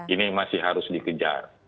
ini masih harus dikejar